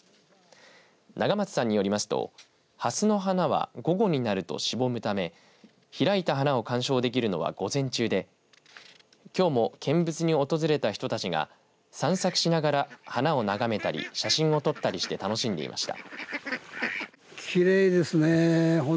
永松さんによりますとハスの花は午後になるとしぼむため開いた花を観賞できるのは午前中できょうも見物に訪れた人たちが散策しながら花を眺めたり写真を撮ったりして楽しんでいました。